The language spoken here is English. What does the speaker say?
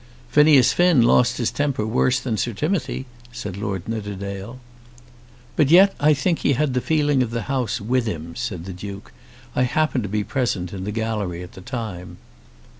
"Phineas Finn lost his temper worse than Sir Timothy," said Lord Nidderdale. "But yet I think he had the feeling of the House with him," said the Duke. "I happened to be present in the gallery at the time."